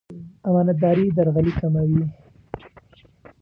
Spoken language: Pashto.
امانتداري درغلي کموي.